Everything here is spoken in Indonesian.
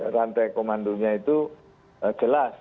rantai komandonya itu jelas